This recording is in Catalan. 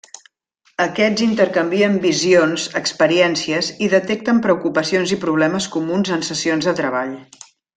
Aquests intercanvien visions, experiències, i detecten preocupacions i problemes comuns en sessions de treball.